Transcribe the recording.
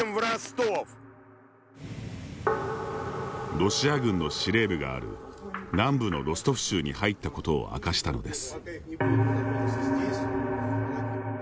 ロシア軍の司令部がある南部のロストフ州に入ったことを明かしたのです。